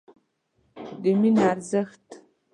د مینې ارزښت